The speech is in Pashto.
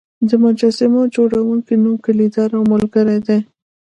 د مجسمو جوړونکي نوم ګیلډر او ملګري دی.